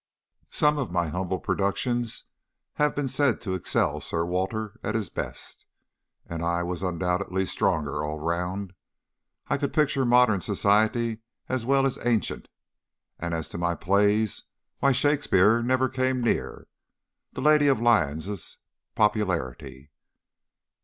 Some of my humble productions have been said to excel Sir Walter at his best, and I was undoubtedly stronger all round. I could picture modern society as well as ancient; and as to my plays, why Shakespeare never came near 'The Lady of Lyons' for popularity.